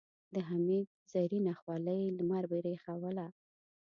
د حميد زرينه خولۍ لمر برېښوله.